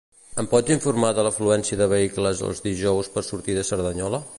Em pots informar de l'afluència de vehicles els dijous per sortir de Cerdanyola?